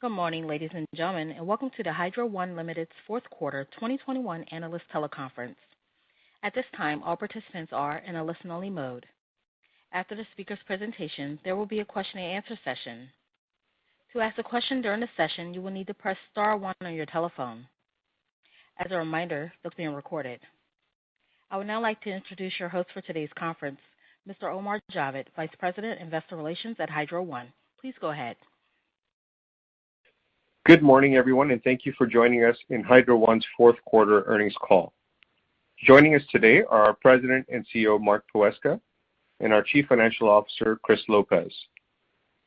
Good morning, ladies and gentlemen, and welcome to the Hydro One Limited's Fourth Quarter 2021 Analyst Teleconference. At this time, all participants are in a listen-only mode. After the speaker's presentation, there will be a question-and-answer session. To ask a question during the session, you will need to press star one on your telephone. As a reminder, this is being recorded. I would now like to introduce your host for today's conference, Mr. Omar Javed, Vice President, Investor Relations at Hydro One. Please go ahead. Good morning, everyone, and thank you for joining us in Hydro One's Fourth Quarter Earnings Call. Joining us today are our President and CEO, Mark Poweska, and our Chief Financial Officer, Chris Lopez.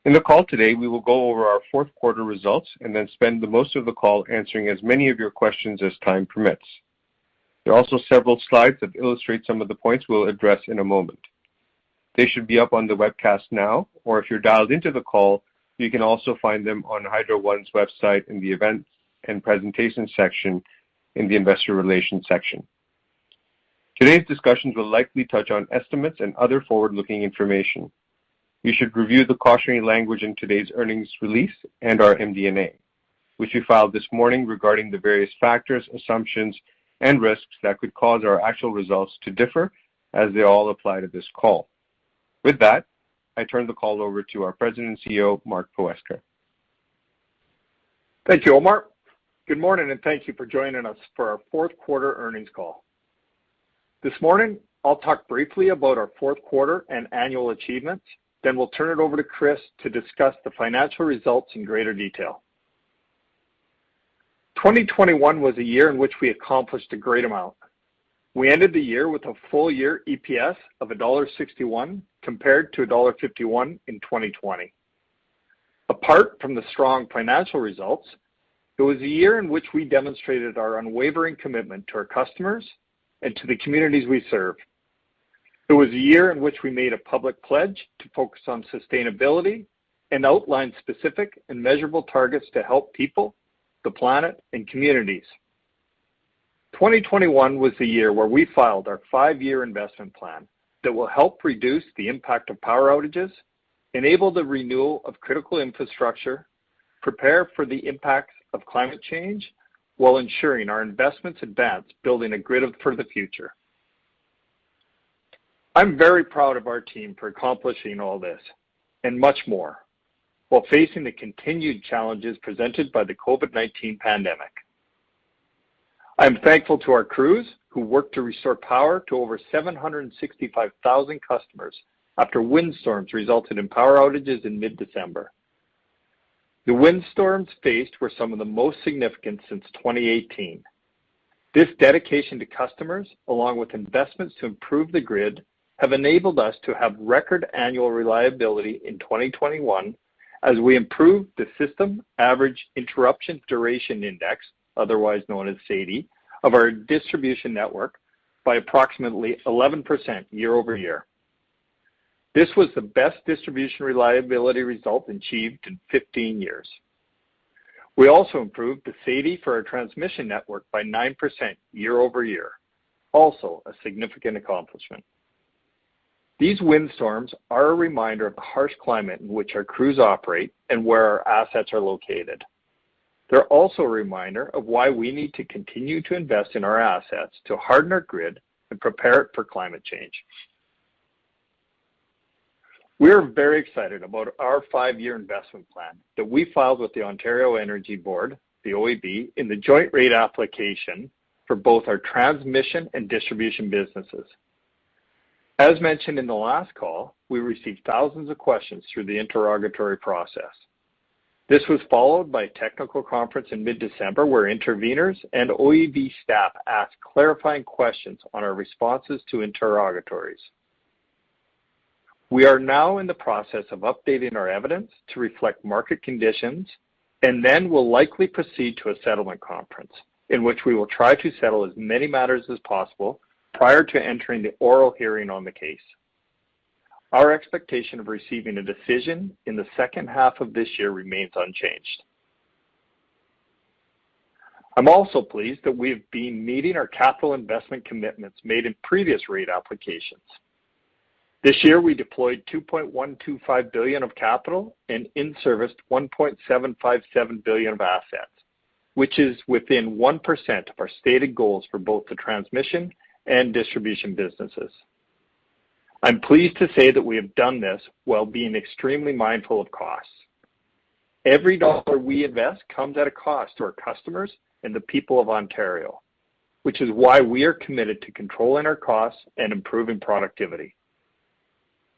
In the call today, we will go over our fourth quarter results and then spend the most of the call answering as many of your questions as time permits. There are also several slides that illustrate some of the points we'll address in a moment. They should be up on the webcast now, or if you're dialed into the call, you can also find them on Hydro One's website in the Events and Presentation section in the Investor Relations section. Today's discussions will likely touch on estimates and other forward-looking information. You should review the cautionary language in today's earnings release and our MD&A, which we filed this morning regarding the various factors, assumptions, and risks that could cause our actual results to differ as they all apply to this call. With that, I turn the call over to our President and CEO, Mark Poweska. Thank you, Omar. Good morning, and thank you for joining us for our fourth-quarter earnings call. This morning, I'll talk briefly about our fourth-quarter and annual achievements, then we'll turn it over to Chris to discuss the financial results in greater detail. 2021 was a year in which we accomplished a great amount. We ended the year with a full-year EPS of dollar 1.61 compared to dollar 1.51 in 2020. Apart from the strong financial results, it was a year in which we demonstrated our unwavering commitment to our customers and to the communities we serve. It was a year in which we made a public pledge to focus on sustainability and outlined specific and measurable targets to help people, the planet, and communities. 2021 was the year where we filed our five-year investment plan that will help reduce the impact of power outages, enable the renewal of critical infrastructure, prepare for the impacts of climate change while ensuring our investments advance building a grid for the future. I'm very proud of our team for accomplishing all this and much more while facing the continued challenges presented by the COVID-19 pandemic. I am thankful to our crews who worked to restore power to over 765,000 customers after windstorms resulted in power outages in mid-December. The windstorms faced were some of the most significant since 2018. This dedication to customers, along with investments to improve the grid, have enabled us to have record annual reliability in 2021 as we improved the System Average Interruption Duration Index, otherwise known as SAIDI, of our distribution network by approximately 11% year-over-year. This was the best distribution reliability result achieved in 15 years. We also improved the SAIDI for our transmission network by 9% year-over-year, also a significant accomplishment. These windstorms are a reminder of the harsh climate in which our crews operate and where our assets are located. They're also a reminder of why we need to continue to invest in our assets to harden our grid and prepare it for climate change. We are very excited about our five-year investment plan that we filed with the Ontario Energy Board, the OEB, in the joint rate application for both our transmission and distribution businesses. As mentioned in the last call, we received thousands of questions through the interrogatory process. This was followed by a technical conference in mid-December where intervenors and OEB staff asked clarifying questions on our responses to interrogatories. We are now in the process of updating our evidence to reflect market conditions and then will likely proceed to a settlement conference in which we will try to settle as many matters as possible prior to entering the oral hearing on the case. Our expectation of receiving a decision in the second half of this year remains unchanged. I'm also pleased that we've been meeting our capital investment commitments made in previous rate applications. This year, we deployed 2.125 billion of capital and in-serviced 1.757 billion of assets, which is within 1% of our stated goals for both the Transmission and Distribution businesses. I'm pleased to say that we have done this while being extremely mindful of costs. Every dollar we invest comes at a cost to our customers and the people of Ontario, which is why we are committed to controlling our costs and improving productivity.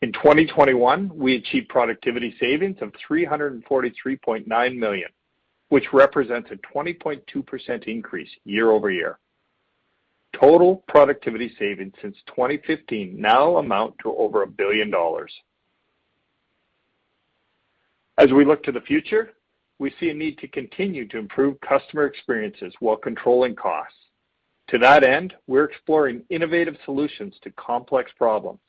In 2021, we achieved productivity savings of 343.9 million, which represents a 20.2% increase year-over-year. Total productivity savings since 2015 now amount to over 1 billion dollars. As we look to the future, we see a need to continue to improve customer experiences while controlling costs. To that end, we're exploring innovative solutions to complex problems.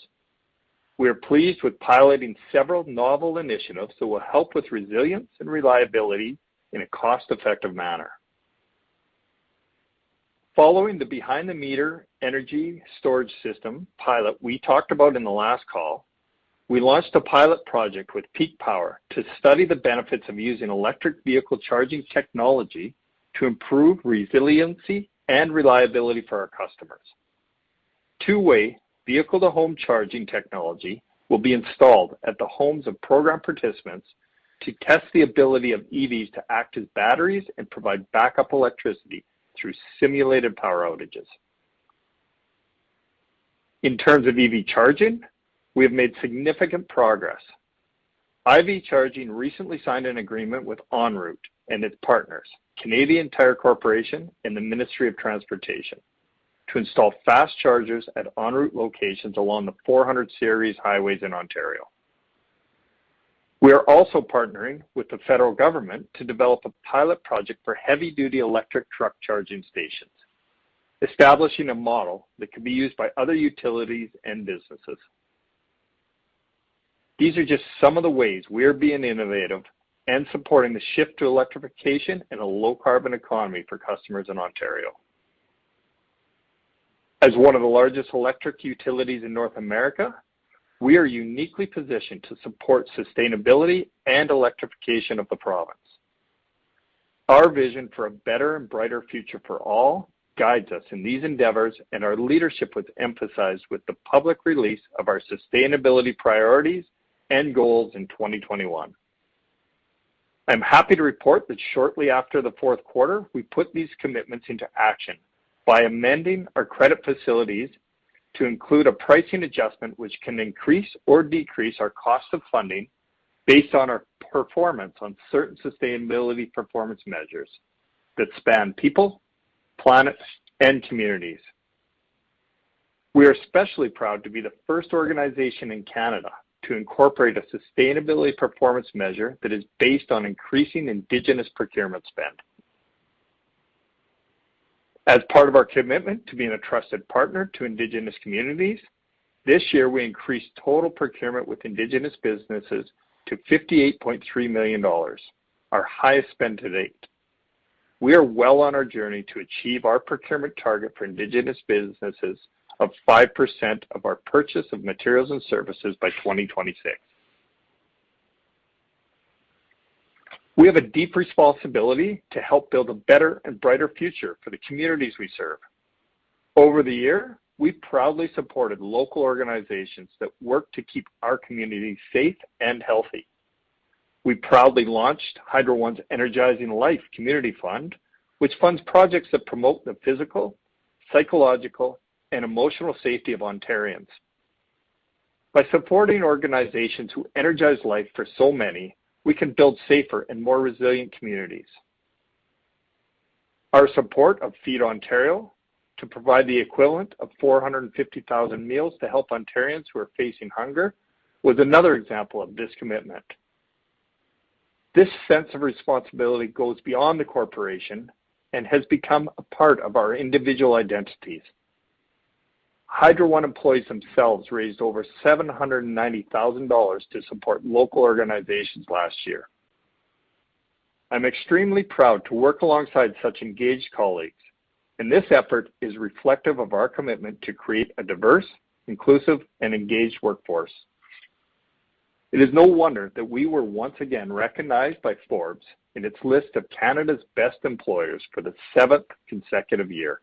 We are pleased with piloting several novel initiatives that will help with resilience and reliability in a cost-effective manner. Following the behind-the-meter energy storage system pilot we talked about in the last call, we launched a pilot project with Peak Power to study the benefits of using electric vehicle charging technology to improve resiliency and reliability for our customers. Two-way vehicle-to-home charging technology will be installed at the homes of program participants to test the ability of EVs to act as batteries and provide backup electricity through simulated power outages. In terms of EV charging, we have made significant progress. Ivy Charging recently signed an agreement with ONroute and its partners, Canadian Tire Corporation and the Ministry of Transportation, to install fast chargers at ONroute locations along the 400 series highways in Ontario. We are also partnering with the federal government to develop a pilot project for heavy-duty electric truck charging stations, establishing a model that could be used by other utilities and businesses. These are just some of the ways we are being innovative and supporting the shift to electrification and a low-carbon economy for customers in Ontario. As one of the largest electric utilities in North America, we are uniquely positioned to support sustainability and electrification of the province. Our vision for a better and brighter future for all guides us in these endeavors, and our leadership was emphasized with the public release of our sustainability priorities and goals in 2021. I'm happy to report that shortly after the fourth quarter, we put these commitments into action by amending our credit facilities to include a pricing adjustment which can increase or decrease our cost of funding based on our performance on certain sustainability performance measures that span people, planets, and communities. We are especially proud to be the first organization in Canada to incorporate a sustainability performance measure that is based on increasing indigenous procurement spend. As part of our commitment to being a trusted partner to indigenous communities, this year we increased total procurement with indigenous businesses to 58.3 million dollars, our highest spend to date. We are well on our journey to achieve our procurement target for indigenous businesses of 5% of our purchase of materials and services by 2026. We have a deep responsibility to help build a better and brighter future for the communities we serve. Over the year, we proudly supported local organizations that work to keep our communities safe and healthy. We proudly launched Hydro One's Energizing Life Community Fund, which funds projects that promote the physical, psychological, and emotional safety of Ontarians. By supporting organizations who energize life for so many, we can build safer and more resilient communities. Our support of Feed Ontario to provide the equivalent of 450,000 meals to help Ontarians who are facing hunger was another example of this commitment. This sense of responsibility goes beyond the corporation and has become a part of our individual identities. Hydro One employees themselves raised over 790 thousand dollars to support local organizations last year. I'm extremely proud to work alongside such engaged colleagues, and this effort is reflective of our commitment to create a diverse, inclusive, and engaged workforce. It is no wonder that we were once again recognized by Forbes in its list of Canada's Best Employers for the seventh consecutive year.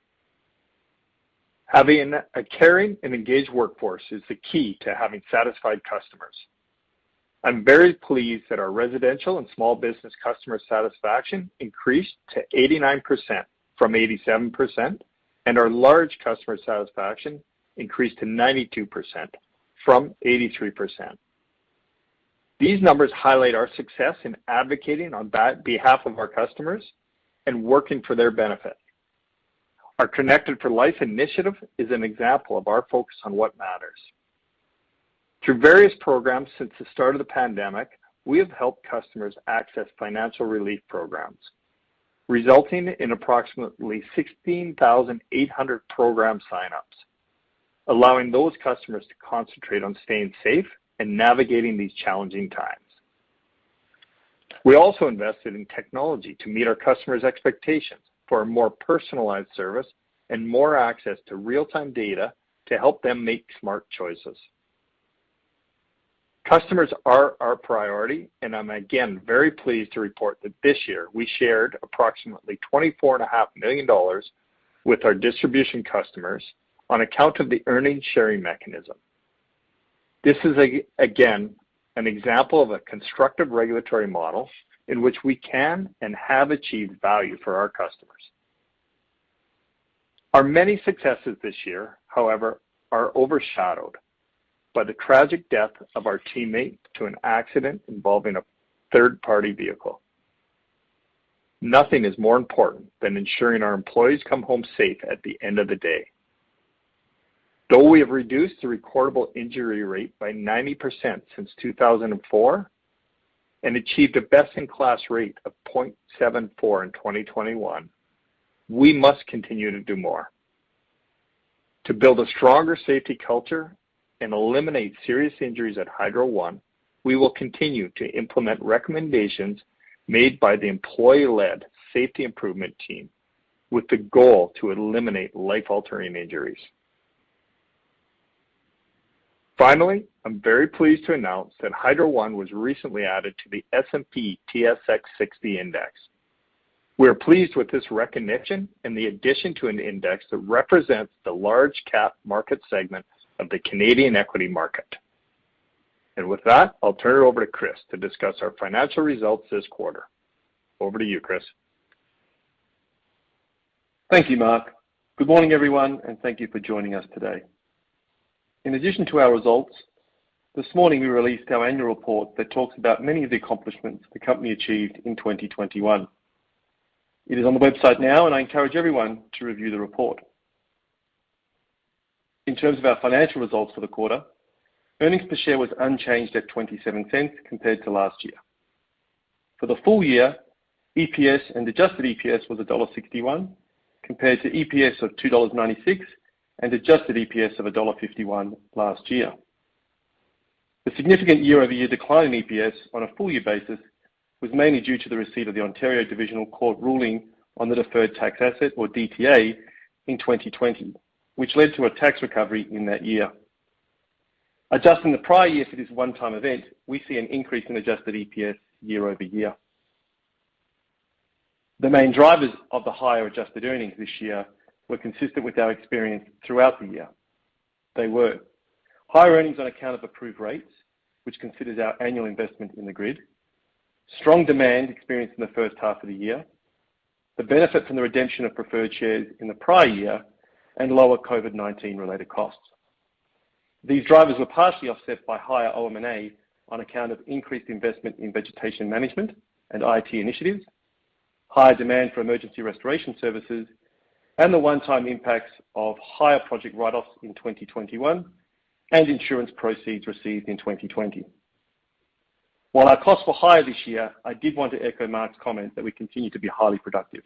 Having a caring and engaged workforce is the key to having satisfied customers. I'm very pleased that our residential and small business customer satisfaction increased to 89% from 87%, and our large customer satisfaction increased to 92% from 83%. These numbers highlight our success in advocating on behalf of our customers and working for their benefit. Our Connected for Life initiative is an example of our focus on what matters. Through various programs since the start of the pandemic, we have helped customers access financial relief programs, resulting in approximately 16,800 program sign-ups, allowing those customers to concentrate on staying safe and navigating these challenging times. We also invested in technology to meet our customers' expectations for a more personalized service and more access to real-time data to help them make smart choices. Customers are our priority, and I'm again very pleased to report that this year we shared approximately 24.5 million dollars with our distribution customers on account of the earnings sharing mechanism. This is again an example of a constructive regulatory model in which we can and have achieved value for our customers. Our many successes this year, however, are overshadowed by the tragic death of our teammate due to an accident involving a third-party vehicle. Nothing is more important than ensuring our employees come home safe at the end of the day. Though we have reduced the recordable injury rate by 90% since 2004 and achieved a best-in-class rate of 0.74 in 2021, we must continue to do more. To build a stronger safety culture and eliminate serious injuries at Hydro One, we will continue to implement recommendations made by the employee-led safety improvement team with the goal to eliminate life-altering injuries. Finally, I'm very pleased to announce that Hydro One was recently added to the S&P/TSX 60 Index. We are pleased with this recognition and the addition to an index that represents the large cap market segment of the Canadian equity market. With that, I'll turn it over to Chris to discuss our financial results this quarter. Over to you, Chris. Thank you, Mark. Good morning, everyone, and thank you for joining us today. In addition to our results, this morning, we released our annual report that talks about many of the accomplishments the company achieved in 2021. It is on the website now, and I encourage everyone to review the report. In terms of our financial results for the quarter, earnings per share was unchanged at 0.27 compared to last year. For the full year, EPS and adjusted EPS was dollar 1.61, compared to EPS of 2.96 dollars and adjusted EPS of dollar 1.51 last year. The significant year-over-year decline in EPS on a full year basis was mainly due to the receipt of the Ontario Divisional Court ruling on the deferred tax asset, or DTA, in 2020, which led to a tax recovery in that year. Adjusting the prior years for this one-time event, we see an increase in adjusted EPS year-over-year. The main drivers of the higher adjusted earnings this year were consistent with our experience throughout the year. They were higher earnings on account of approved rates, which considers our annual investment in the grid, strong demand experienced in the first half of the year, the benefit from the redemption of preferred shares in the prior year, and lower COVID-19 related costs. These drivers were partially offset by higher OM&A on account of increased investment in vegetation management and IT initiatives, high demand for emergency restoration services, and the one-time impacts of higher project write-offs in 2021 and insurance proceeds received in 2020. While our costs were higher this year, I did want to echo Mark's comment that we continue to be highly productive.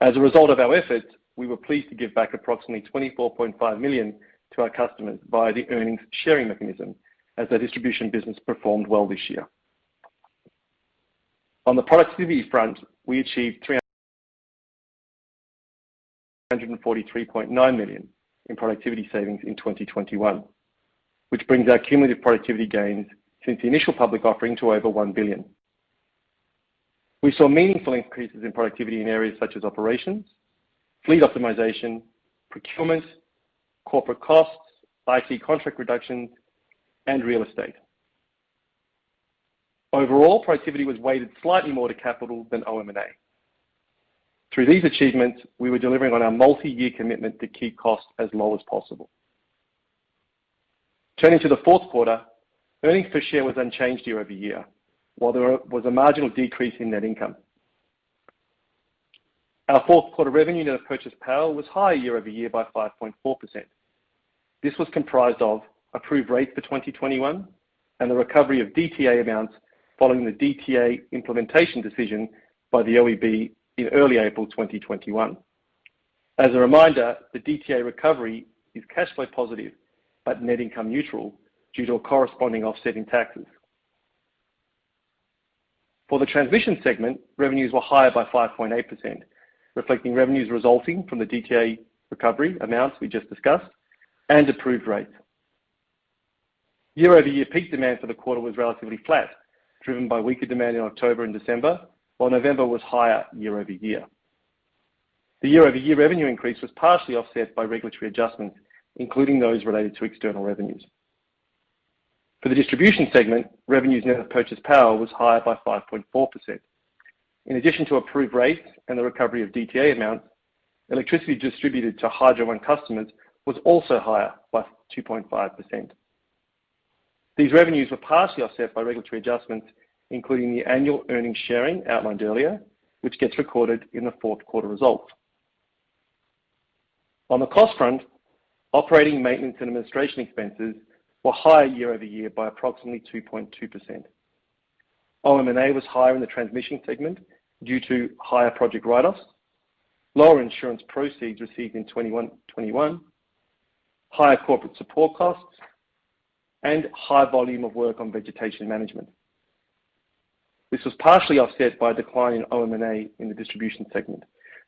As a result of our efforts, we were pleased to give back approximately 24.5 million to our customers via the earnings sharing mechanism as our distribution business performed well this year. On the productivity front, we achieved 343.9 million in productivity savings in 2021, which brings our cumulative productivity gains since the initial public offering to over 1 billion. We saw meaningful increases in productivity in areas such as operations, fleet optimization, procurement, corporate costs, IT contract reduction, and real estate. Overall, productivity was weighted slightly more to capital than OM&A. Through these achievements, we were delivering on our multi-year commitment to keep costs as low as possible. Turning to the fourth quarter, earnings per share was unchanged year-over-year, while there was a marginal decrease in net income. Our fourth quarter revenue net of purchase power was higher year-over-year by 5.4%. This was comprised of approved rates for 2021 and the recovery of DTA amounts following the DTA implementation decision by the OEB in early April 2021. As a reminder, the DTA recovery is cash flow positive, but net income neutral due to a corresponding offset in taxes. For the Transmission segment, revenues were higher by 5.8%, reflecting revenues resulting from the DTA recovery amounts we just discussed and approved rates. Year-over-year peak demand for the quarter was relatively flat, driven by weaker demand in October and December, while November was higher year-over-year. The year-over-year revenue increase was partially offset by regulatory adjustments, including those related to external revenues. For the Distribution segment, revenues net of purchase power was higher by 5.4%. In addition to approved rates and the recovery of DTA amounts, electricity distributed to Hydro One customers was also higher by 2.5%. These revenues were partially offset by regulatory adjustments, including the annual earnings sharing outlined earlier, which gets recorded in the fourth quarter results. On the cost front, operating maintenance and administration expenses were higher year-over-year by approximately 2.2%. OM&A was higher in the transmission segment due to higher project write-offs, lower insurance proceeds received in 2021, higher corporate support costs, and high volume of work on vegetation management. This was partially offset by a decline in OM&A in the distribution segment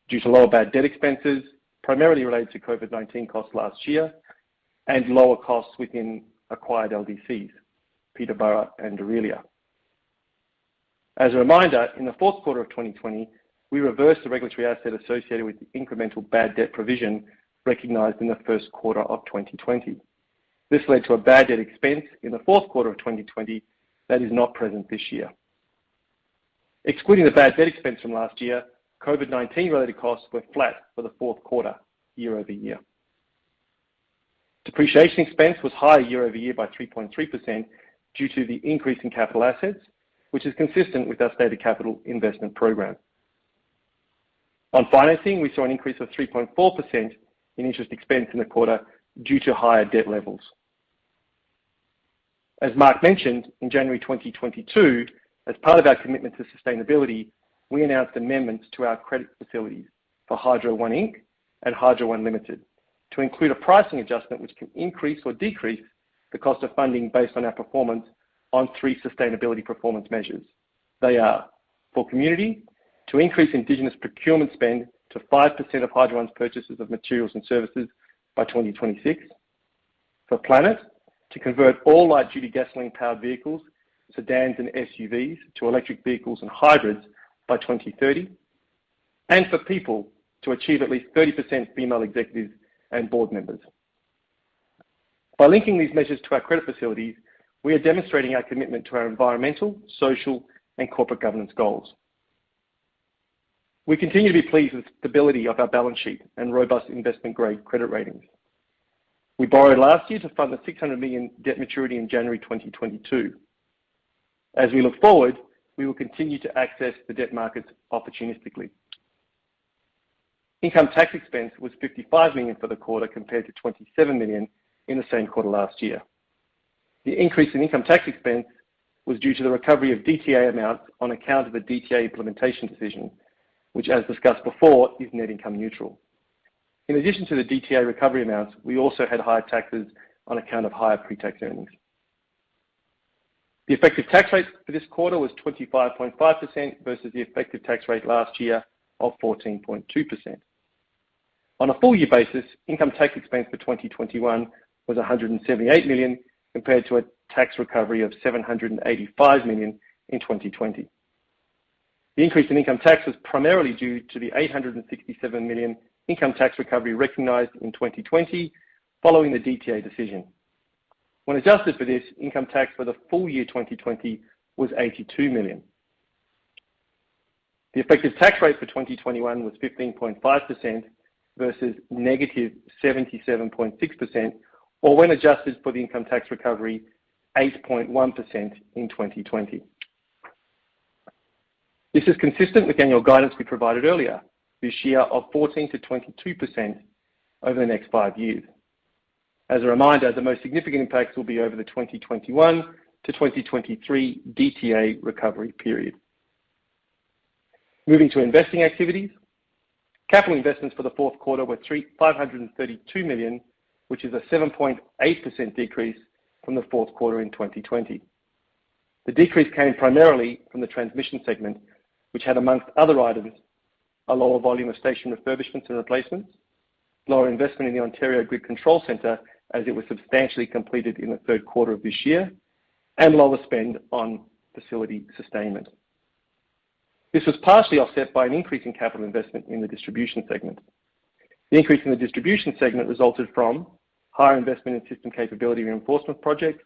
due to lower bad debt expenses, primarily related to COVID-19 costs last year and lower costs within acquired LDCs, Peterborough and Orillia. As a reminder, in the fourth quarter of 2020, we reversed the regulatory asset associated with the incremental bad debt provision recognized in the first quarter of 2020. This led to a bad debt expense in the fourth quarter of 2020 that is not present this year. Excluding the bad debt expense from last year, COVID-19-related costs were flat for the fourth quarter year-over-year. Depreciation expense was higher year-over-year by 3.3% due to the increase in capital assets, which is consistent with our stated capital investment program. On financing, we saw an increase of 3.4% in interest expense in the quarter due to higher debt levels. As Mark mentioned, in January 2022, as part of our commitment to sustainability, we announced amendments to our credit facilities for Hydro One Inc Hydro One Limited to include a pricing adjustment which can increase or decrease the cost of funding based on our performance on three sustainability performance measures. They are for community, to increase indigenous procurement spend to 5% of Hydro One's purchases of materials and services by 2026. For planet, to convert all light-duty gasoline-powered vehicles, sedans, and SUVs to electric vehicles and hybrids by 2030. For people, to achieve at least 30% female executives and board members. By linking these measures to our credit facilities, we are demonstrating our commitment to our environmental, social, and corporate governance goals. We continue to be pleased with the stability of our balance sheet and robust investment-grade credit ratings. We borrowed last year to fund the 600 million debt maturity in January 2022. As we look forward, we will continue to access the debt markets opportunistically. Income tax expense was 55 million for the quarter, compared to 27 million in the same quarter last year. The increase in income tax expense was due to the recovery of DTA amounts on account of a DTA implementation decision, which, as discussed before, is net income neutral. In addition to the DTA recovery amounts, we also had higher taxes on account of higher pre-tax earnings. The effective tax rate for this quarter was 25.5% versus the effective tax rate last year of 14.2%. On a full-year basis, income tax expense for 2021 was 178 million compared to a tax recovery of 785 million in 2020. The increase in income tax was primarily due to the 867 million income tax recovery recognized in 2020 following the DTA decision. When adjusted for this, income tax for the full year 2020 was 82 million. The effective tax rate for 2021 was 15.5% versus -77.6%, or when adjusted for the income tax recovery, 8.1% in 2020. This is consistent with annual guidance we provided earlier this year of 14%-22% over the next five years. As a reminder, the most significant impacts will be over the 2021 to 2023 DTA recovery period. Moving to investing activities. Capital investments for the fourth quarter were 532 million, which is a 7.8% decrease from the fourth quarter in 2020. The decrease came primarily from the transmission segment, which had, amongst other items, a lower volume of station refurbishments and replacements, lower investment in the Ontario Grid Control Centre as it was substantially completed in the third quarter of this year, and lower spend on facility sustainment. This was partially offset by an increase in capital investment in the distribution segment. The increase in the distribution segment resulted from higher investment in system capability reinforcement projects,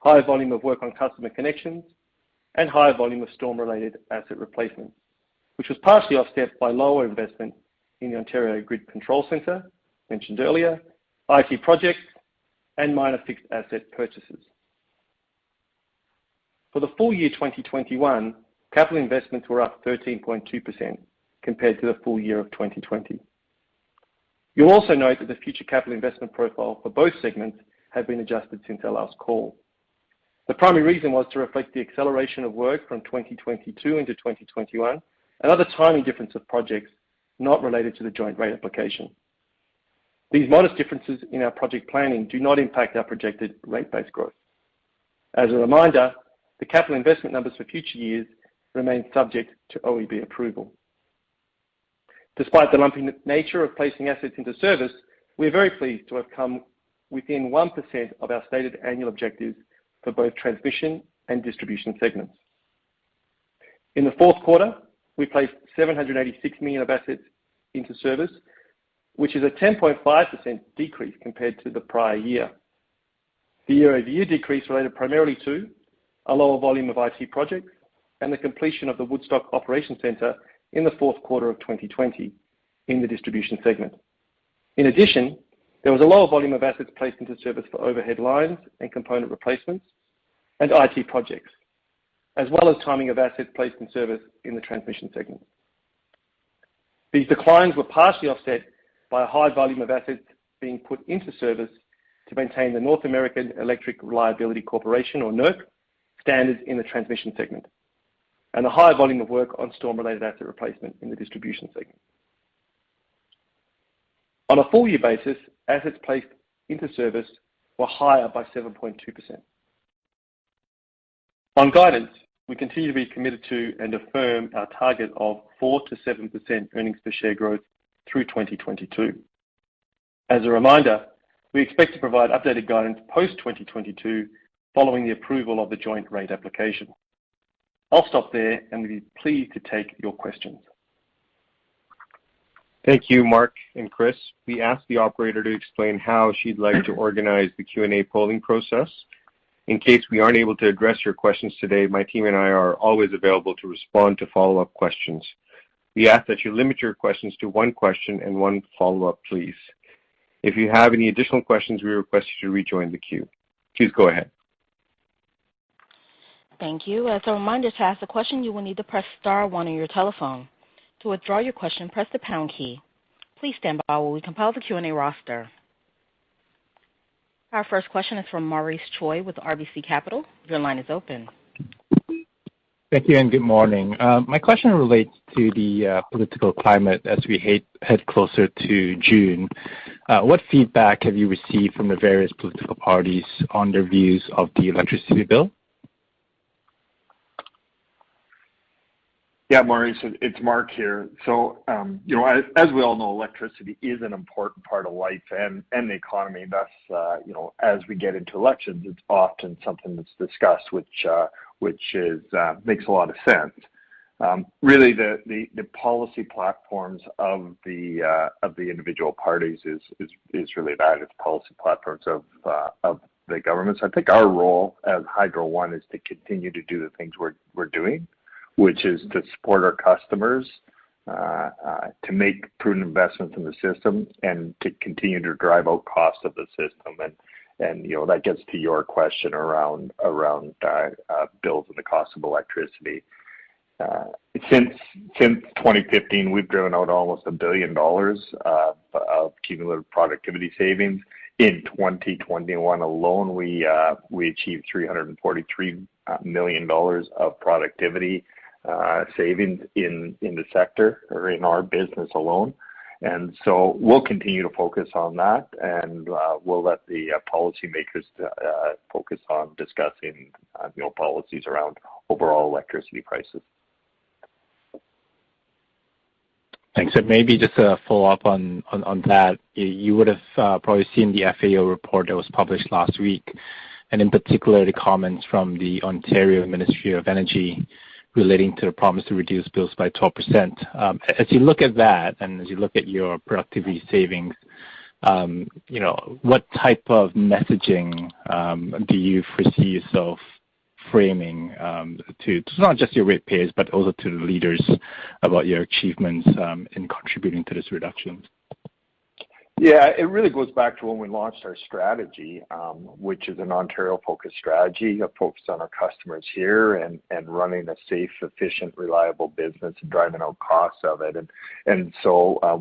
higher volume of work on customer connections, and higher volume of storm-related asset replacements, which was partially offset by lower investment in the Ontario Grid Control Centre mentioned earlier, IT projects, and minor fixed asset purchases. For the full year 2021, capital investments were up 13.2% compared to the full year of 2020. You'll also note that the future capital investment profile for both segments have been adjusted since our last call. The primary reason was to reflect the acceleration of work from 2022 into 2021 and other timing difference of projects not related to the joint rate application. These modest differences in our project planning do not impact our projected rate base growth. As a reminder, the capital investment numbers for future years remain subject to OEB approval. Despite the lumpy nature of placing assets into service, we are very pleased to have come within 1% of our stated annual objectives for both Transmission and Distribution segments. In the fourth quarter, we placed 786 million of assets into service, which is a 10.5% decrease compared to the prior year. The year-over-year decrease related primarily to a lower volume of IT projects and the completion of the Woodstock Operations Centre in the fourth quarter of 2020 in the distribution segment. In addition, there was a lower volume of assets placed into service for overhead lines and component replacements and IT projects, as well as timing of assets placed in service in the transmission segment. These declines were partially offset by a high volume of assets being put into service to maintain the North American Electric Reliability Corporation, or NERC, standards in the transmission segment, and a higher volume of work on storm-related asset replacement in the distribution segment. On a full-year basis, assets placed into service were higher by 7.2%. On guidance, we continue to be committed to and affirm our target of 4%-7% earnings per share growth through 2022. As a reminder, we expect to provide updated guidance post-2022 following the approval of the joint rate application. I'll stop there and be pleased to take your questions. Thank you, Mark and Chris. We ask the operator to explain how she'd like to organize the Q&A polling process. In case we aren't able to address your questions today, my team and I are always available to respond to follow-up questions. We ask that you limit your questions to one question and one follow-up, please. If you have any additional questions, we request you to rejoin the queue. Please go ahead. Thank you. As a reminder, to ask a question, you will need to press star one on your telephone. To withdraw your question, press the pound key. Please stand by while we compile the Q&A roster. Our first question is from Maurice Choy with RBC Capital. Your line is open. Thank you and good morning. My question relates to the political climate as we head closer to June. What feedback have you received from the various political parties on their views of the electricity bill? Yeah, Maurice, it's Mark here. You know, as we all know, electricity is an important part of life and the economy. Thus, you know, as we get into elections, it's often something that's discussed which makes a lot of sense. Really, the policy platforms of the individual parties is really about its policy platforms of the governments. I think our role at Hydro One is to continue to do the things we're doing, which is to support our customers to make prudent investments in the system and to continue to drive out costs of the system. You know, that gets to your question around bills and the cost of electricity. Since 2015, we've driven out almost 1 billion dollars of cumulative productivity savings. In 2021 alone, we achieved 343 million dollars of productivity savings in the sector or in our business alone. We'll continue to focus on that and we'll let the policymakers focus on discussing you know policies around overall electricity prices. Thanks. Maybe just a follow-up on that. You would have probably seen the FAO report that was published last week, and in particular, the comments from the Ontario Ministry of Energy relating to the promise to reduce bills by 12%. As you look at that and as you look at your productivity savings, you know, what type of messaging do you foresee yourself framing to not just your rate payers, but also to the leaders about your achievements in contributing to this reduction? Yeah. It really goes back to when we launched our strategy, which is an Ontario-focused strategy focused on our customers here and running a safe, efficient, reliable business and driving out costs of it.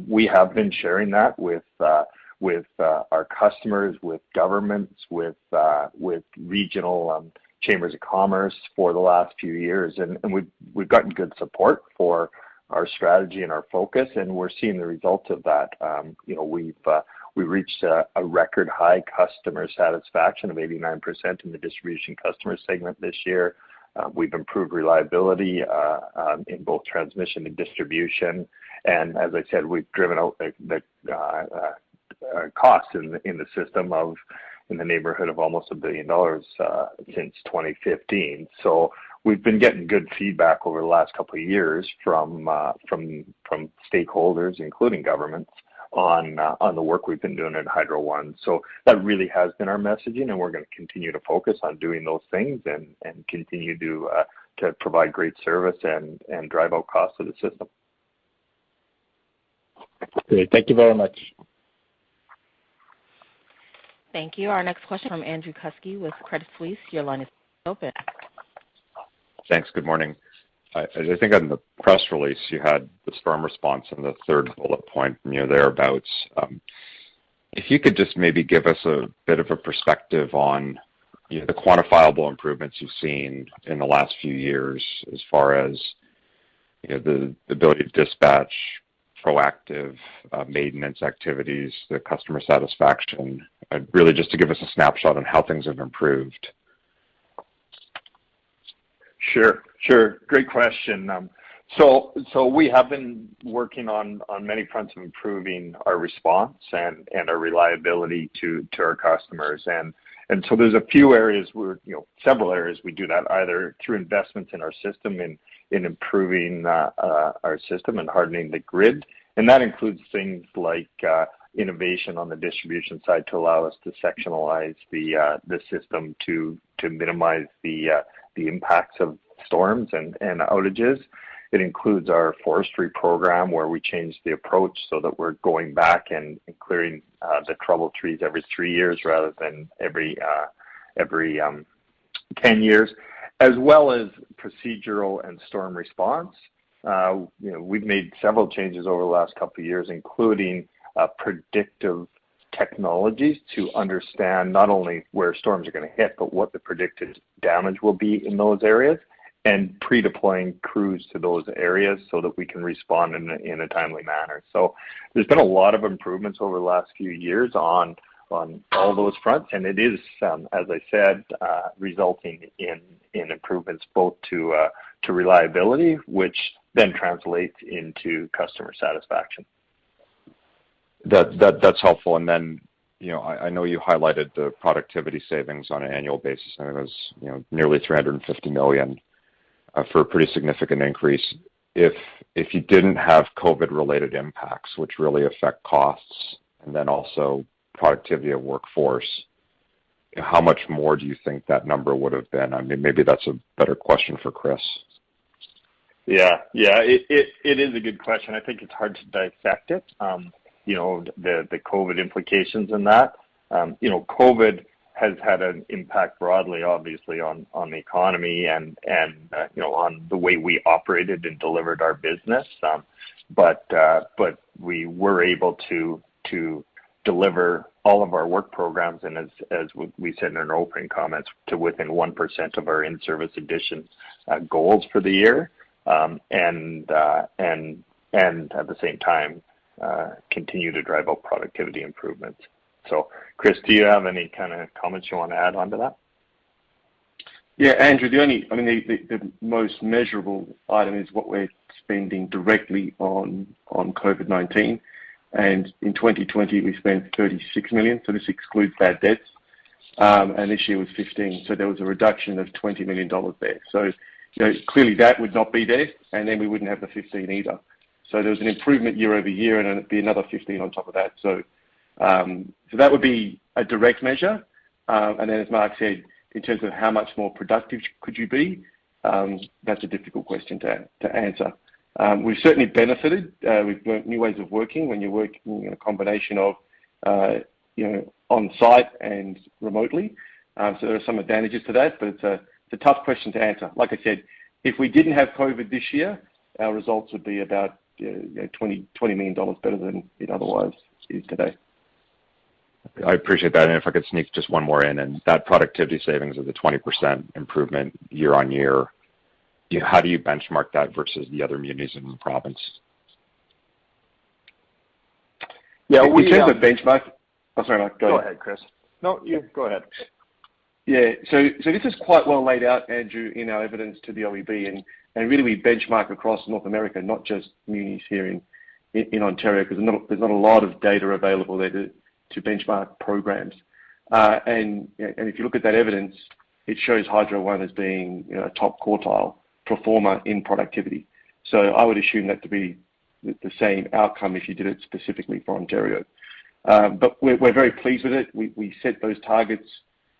We have been sharing that with our customers, with governments, with regional chambers of commerce for the last few years. We've gotten good support for our strategy and our focus, and we're seeing the results of that. You know, we've reached a record high customer satisfaction of 89% in the distribution customer segment this year. We've improved reliability in both transmission and distribution. As I said, we've driven out the costs in the system in the neighborhood of almost 1 billion dollars since 2015. We've been getting good feedback over the last couple of years from stakeholders, including governments, on the work we've been doing at Hydro One. That really has been our messaging, and we're gonna continue to focus on doing those things and continue to provide great service and drive out costs of the system. Great. Thank you very much. Thank you. Our next question from Andrew Kuske with Credit Suisse. Your line is open. Thanks. Good morning. As I think on the press release, you had the storm response in the third bullet point near or thereabouts. If you could just maybe give us a bit of a perspective on, you know, the quantifiable improvements you've seen in the last few years as far as, you know, the ability to dispatch proactive maintenance activities, the customer satisfaction. Really just to give us a snapshot on how things have improved. Sure. Great question. We have been working on many fronts improving our response and our reliability to our customers. There's a few areas where, you know, several areas we do that, either through investments in our system in improving our system and hardening the grid. That includes things like innovation on the distribution side to allow us to sectionalize the system to minimize the impacts of storms and outages. It includes our forestry program, where we changed the approach so that we're going back and clearing the troubled trees every three years rather than every 10 years, as well as procedural and storm response. You know, we've made several changes over the last couple of years, including predictive technologies to understand not only where storms are gonna hit, but what the predicted damage will be in those areas, and pre-deploying crews to those areas so that we can respond in a timely manner. There's been a lot of improvements over the last few years on all those fronts, and it is, as I said, resulting in improvements both to reliability, which then translates into customer satisfaction. That's helpful. You know, I know you highlighted the productivity savings on an annual basis, and it was, you know, nearly 350 million for a pretty significant increase. If you didn't have COVID-related impacts which really affect costs and then also productivity of workforce, how much more do you think that number would have been? I mean, maybe that's a better question for Chris. Yeah, it is a good question. I think it's hard to dissect it, you know, the COVID implications in that. You know, COVID has had an impact broadly, obviously on the economy and you know, on the way we operated and delivered our business. We were able to deliver all of our work programs and as we said in our opening comments to within 1% of our in-service additions goals for the year. At the same time, continue to drive out productivity improvements. Chris, do you have any kind of comments you want to add onto that? Yeah, Andrew, the only I mean, the most measurable item is what we're spending directly on COVID-19. In 2020, we spent 36 million, so this excludes bad debts. This year was 15 million, so there was a reduction of 20 million dollars there. Clearly that would not be there, and then we wouldn't have the 15 million either. There was an improvement year-over-year and it'd be another 15 million on top of that. That would be a direct measure. Then as Mark said, in terms of how much more productive could you be, that's a difficult question to answer. We've certainly benefited. We've learned new ways of working when you're working in a combination of you know, on-site and remotely. There are some advantages to that, but it's a tough question to answer. Like I said, if we didn't have COVID this year, our results would be about, you know, 20 million dollars better than it otherwise is today. I appreciate that. If I could sneak just one more in, that productivity savings is a 20% improvement year-over-year. How do you benchmark that versus the other munis in the province? Yeah. Oh, sorry, Mark. Go ahead. Go ahead, Chris. No, you go ahead. Yeah. This is quite well laid out, Andrew, in our evidence to the OEB, and really we benchmark across North America, not just munis here in Ontario, because there's not a lot of data available there to benchmark programs. You know, if you look at that evidence, it shows Hydro One as being a top quartile performer in productivity. I would assume that to be the same outcome if you did it specifically for Ontario. We're very pleased with it. We set those targets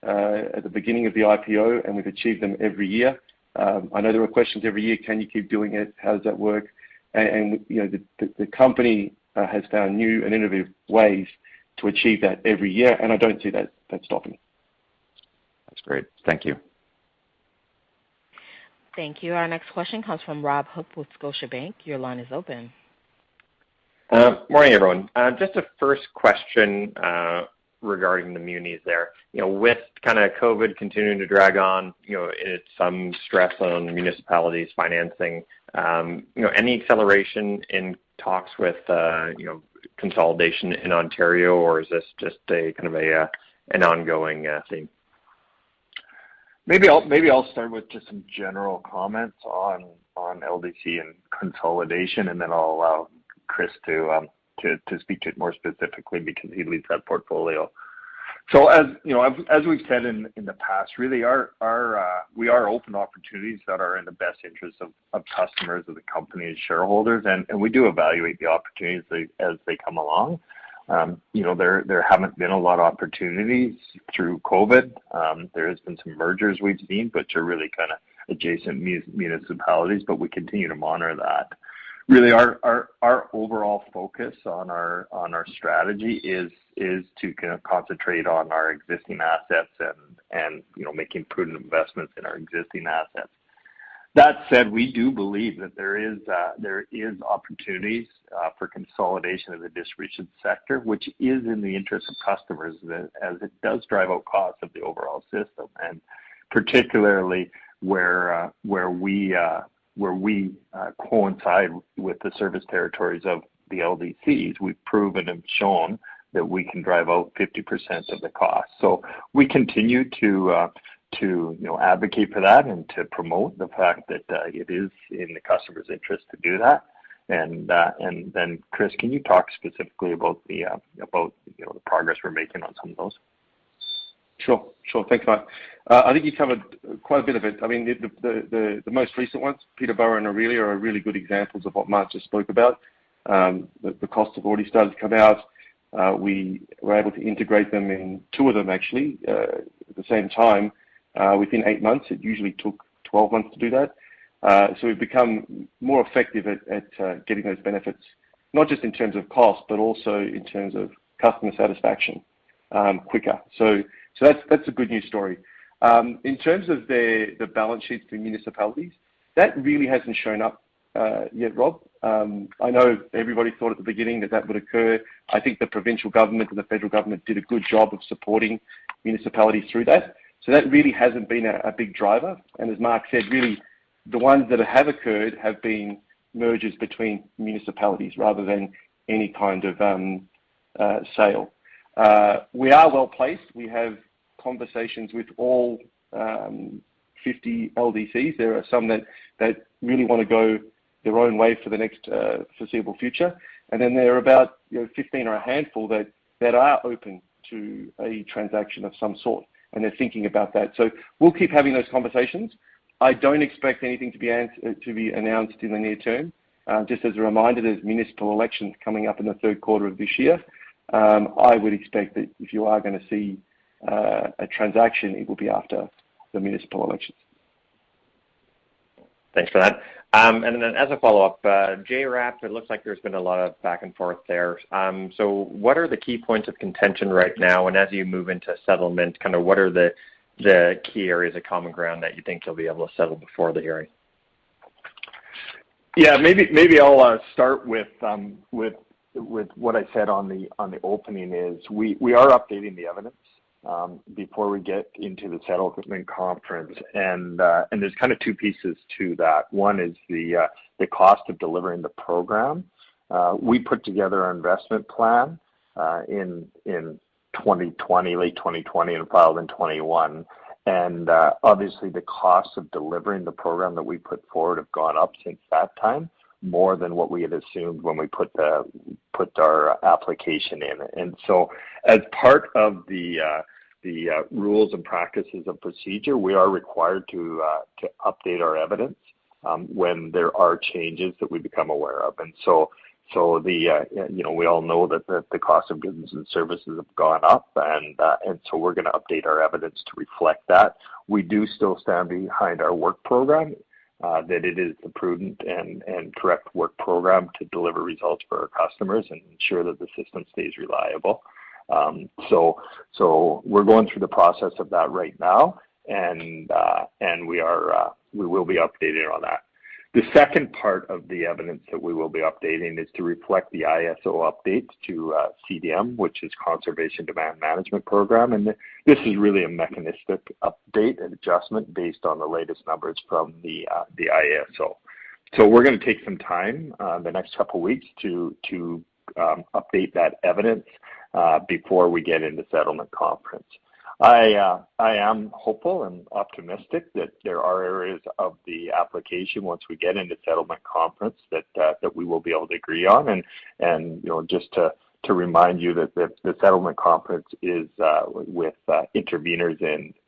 at the beginning of the IPO, and we've achieved them every year. I know there are questions every year, can you keep doing it? How does that work? You know, the company has found new and innovative ways to achieve that every year, and I don't see that stopping. That's great. Thank you. Thank you. Our next question comes from Robert Hope with Scotiabank. Your line is open. Morning, everyone. Just a first question regarding the munis there. You know, with kind of COVID-19 continuing to drag on, you know, it's some stress on municipalities financing, you know, any acceleration in talks with, you know, consolidation in Ontario, or is this just kind of an ongoing thing? Maybe I'll start with just some general comments on LDC and consolidation, and then I'll allow Chris to speak to it more specifically because he leads that portfolio. You know, as we've said in the past, really we are open to opportunities that are in the best interest of customers of the company and shareholders. We do evaluate the opportunities as they come along. You know, there haven't been a lot of opportunities through COVID. There has been some mergers we've seen, which are really kind of adjacent municipalities, but we continue to monitor that. Really, our overall focus on our strategy is to concentrate on our existing assets and, you know, making prudent investments in our existing assets. That said, we do believe that there is opportunities for consolidation of the distribution sector, which is in the interest of customers as it does drive out costs of the overall system. Particularly where we coincide with the service territories of the LDCs, we've proven and shown that we can drive out 50% of the cost. We continue to, you know, advocate for that and to promote the fact that it is in the customer's interest to do that. Then Chris, can you talk specifically about, you know, the progress we're making on some of those? Sure. Thanks, Mark. I think you covered quite a bit of it. I mean, the most recent ones, Peterborough and Orillia are really good examples of what Mark just spoke about. The costs have already started to come out. We were able to integrate them in two of them actually at the same time within 8 months. It usually took 12 months to do that. We've become more effective at getting those benefits, not just in terms of cost, but also in terms of customer satisfaction quicker. That's a good news story. In terms of their balance sheets for municipalities, that really hasn't shown up yet, Rob. I know everybody thought at the beginning that that would occur. I think the provincial government and the federal government did a good job of supporting municipalities through that. That really hasn't been a big driver. As Mark said, really the ones that have occurred have been mergers between municipalities rather than any kind of sale. We are well-placed. We have conversations with all 50 LDCs. There are some that really wanna go their own way for the next foreseeable future. Then there are about, you know, 15 or a handful that are open to a transaction of some sort, and they're thinking about that. We'll keep having those conversations. I don't expect anything to be announced in the near term. Just as a reminder, there's municipal elections coming up in the third quarter of this year. I would expect that if you are gonna see A transaction, it will be after the municipal elections. Thanks for that. As a follow-up, JRAP, it looks like there's been a lot of back and forth there. What are the key points of contention right now? As you move into settlement, kind of what are the key areas of common ground that you think you'll be able to settle before the hearing? Maybe I'll start with what I said on the opening is we are updating the evidence before we get into the settlement conference. There's kind of two pieces to that. One is the cost of delivering the program. We put together our investment plan in 2020, late 2020, and filed in 2021. Obviously the cost of delivering the program that we put forward have gone up since that time, more than what we had assumed when we put our application in. As part of the rules and practices of procedure, we are required to update our evidence when there are changes that we become aware of. The cost of goods and services have gone up, and so we're gonna update our evidence to reflect that. We do still stand behind our work program that it is a prudent and correct work program to deliver results for our customers and ensure that the system stays reliable. We're going through the process of that right now, and we will be updated on that. The second part of the evidence that we will be updating is to reflect the IESO updates to CDM, which is Conservation and Demand Management program. This is really a mechanistic update and adjustment based on the latest numbers from the IESO. We're gonna take some time the next couple of weeks to update that evidence before we get into settlement conference. I am hopeful and optimistic that there are areas of the application once we get into settlement conference that we will be able to agree on. You know, just to remind you that the settlement conference is with interveners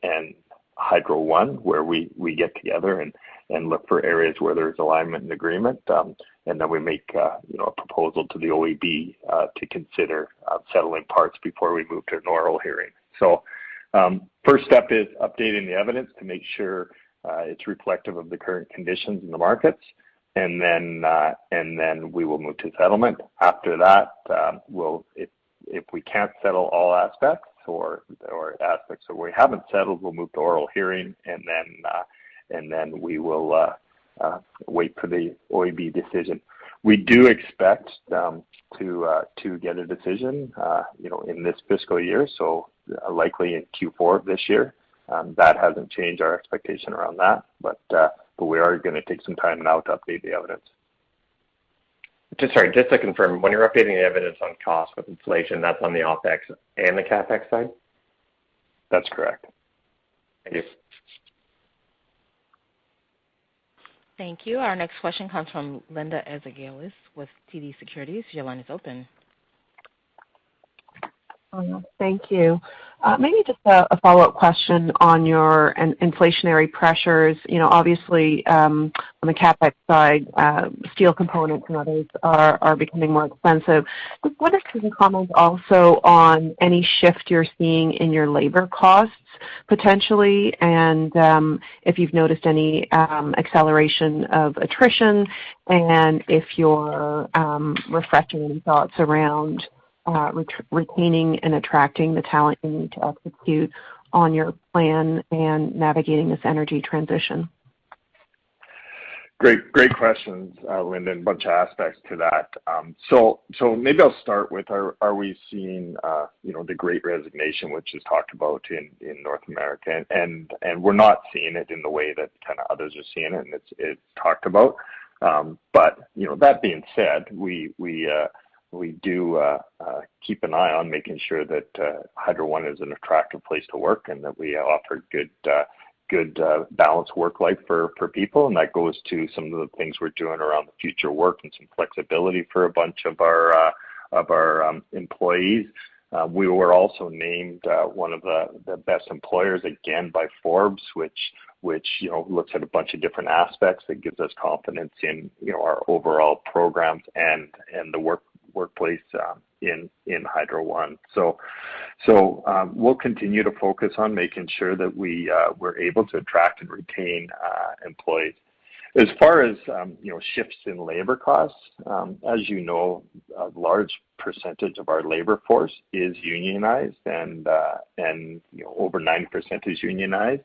and Hydro One, where we get together and look for areas where there's alignment and agreement. We make, you know, a proposal to the OEB to consider settling parts before we move to an oral hearing. First step is updating the evidence to make sure it's reflective of the current conditions in the markets. We will move to settlement. After that, if we can't settle all aspects that we haven't settled, we'll move to oral hearing, and then we will wait for the OEB decision. We do expect to get a decision, you know, in this fiscal year, so likely in Q4 of this year. That hasn't changed our expectation around that. We are gonna take some time now to update the evidence. Just to confirm, when you're updating the evidence on cost with inflation, that's on the OpEx and the CapEx side? That's correct. Thank you. Thank you. Our next question comes from Linda Ezergailis with TD Securities. Your line is open. Thank you. Maybe just a follow-up question on your inflationary pressures. You know, obviously, on the CapEx side, steel components and others are becoming more expensive. I was wondering if you could comment also on any shift you're seeing in your labor costs potentially, and if you've noticed any acceleration of attrition, and if you're reflecting any thoughts around retaining and attracting the talent you need to execute on your plan and navigating this energy transition. Great questions, Linda, and a bunch of aspects to that. Maybe I'll start with are we seeing you know the great resignation which is talked about in North America? We're not seeing it in the way that kind of others are seeing it and it's talked about. You know that being said we do keep an eye on making sure that Hydro One is an attractive place to work and that we offer good balanced work life for people. That goes to some of the things we're doing around the future work and some flexibility for a bunch of our employees. We were also named one of the best employers again by Forbes, which you know looks at a bunch of different aspects that gives us confidence in you know our overall programs and the workplace in Hydro One. We'll continue to focus on making sure that we're able to attract and retain employees. As far as you know shifts in labor costs, as you know, a large percentage of our labor force is unionized and you know over 90% is unionized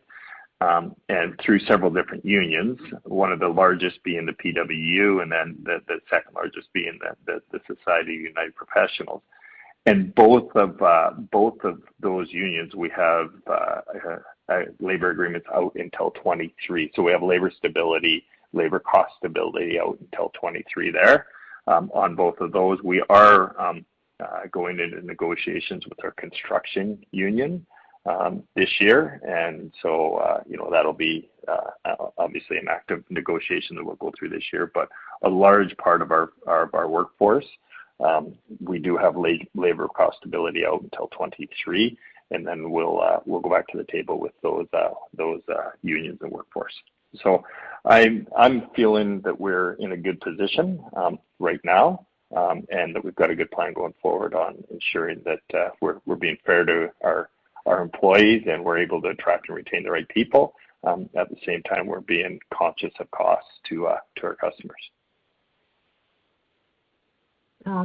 and through several different unions, one of the largest being the PWU and then the second largest being the Society of United Professionals. Both of those unions, we have labor agreements out until 2023. We have labor stability, labor cost stability out until 2023 there, on both of those. We are going into negotiations with our construction union this year. You know, that'll be obviously an active negotiation that we'll go through this year. But a large part of our workforce, we do have labor cost stability out until 2023, and then we'll go back to the table with those unions and workforce. I'm feeling that we're in a good position right now, and that we've got a good plan going forward on ensuring that we're being fair to our employees and we're able to attract and retain the right people. At the same time, we're being conscious of costs to our customers.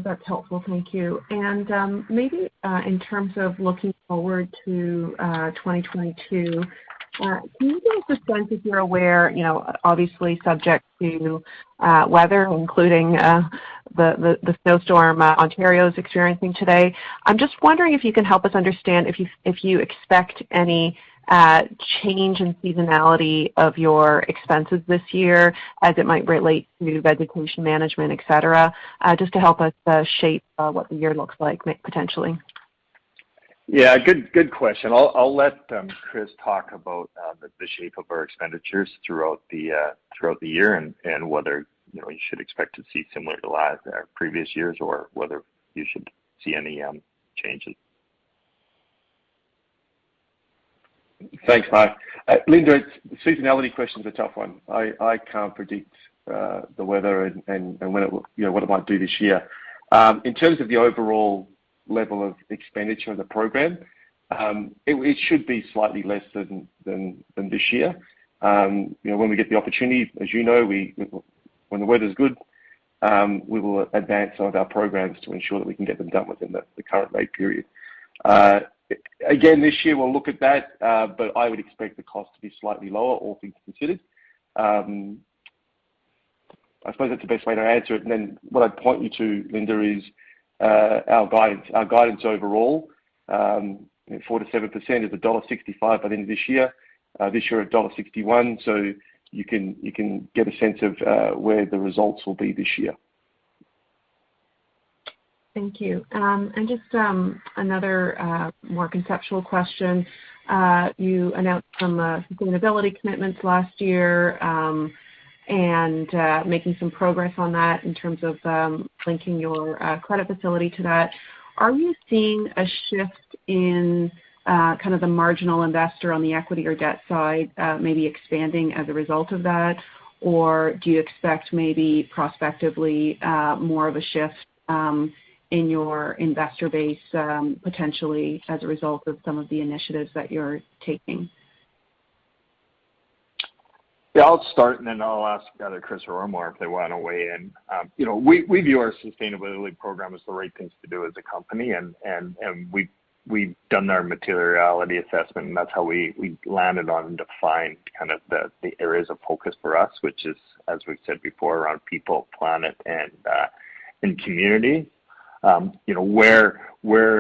That's helpful. Thank you. Maybe, in terms of looking forward to 2022, can you give us a sense if you're aware, you know, obviously subject to weather, including the snowstorm Ontario is experiencing today. I'm just wondering if you can help us understand if you expect any change in seasonality of your expenses this year as it might relate to vegetation management, et cetera, just to help us shape what the year looks like potentially. Yeah. Good question. I'll let Chris talk about the shape of our expenditures throughout the year and whether, you know, you should expect to see similar to previous years or whether you should see any changes. Thanks, Mark. Linda, seasonality question is a tough one. I can't predict the weather and when it will. You know, what it might do this year. In terms of the overall level of expenditure in the program, it should be slightly less than this year. You know, when we get the opportunity, as you know, when the weather's good, we will advance some of our programs to ensure that we can get them done within the current rate period. Again, this year, we'll look at that, but I would expect the cost to be slightly lower, all things considered. I suppose that's the best way to answer it. Then what I'd point you to, Linda, is our guidance. Our guidance overall, you know, 4%-7% is dollar 1.65 by the end of this year. This year, dollar 1.61. You can get a sense of where the results will be this year. Thank you. Just another more conceptual question. You announced some sustainability commitments last year, and making some progress on that in terms of linking your credit facility to that. Are you seeing a shift in kind of the marginal investor on the equity or debt side, maybe expanding as a result of that? Or do you expect maybe prospectively more of a shift in your investor base potentially as a result of some of the initiatives that you're taking? Yeah. I'll start, and then I'll ask either Chris or Omar if they wanna weigh in. You know, we view our sustainability program as the right things to do as a company. We've done our materiality assessment, and that's how we landed on and defined the areas of focus for us, which is, as we've said before, around people, planet, and community. You know, where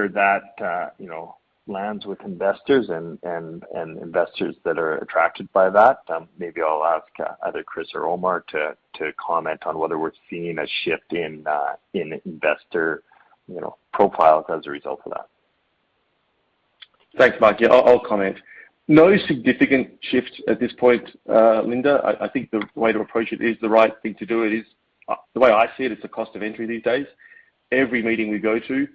that you know lands with investors and investors that are attracted by that, maybe I'll ask either Chris or Omar to comment on whether we're seeing a shift in investor profiles as a result of that. Thanks, Mark. Yeah. I'll comment. No significant shift at this point, Linda. I think the way to approach it is the right thing to do, the way I see it. It's a cost of entry these days. Every meeting we go to,